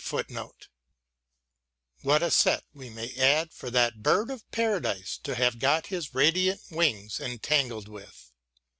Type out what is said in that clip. * What a set, we may add, for that Bird of Paradise to have got his radiant wings entangled with